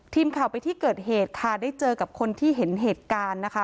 ทีมข่าวไปที่เกิดเหตุค่ะได้เจอกับคนที่เห็นเหตุการณ์นะคะ